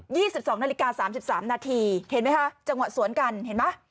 ๒๒นาฬิกา๓๓นาทีเห็นไหมคะจังหวะสวนกันเห็นไหม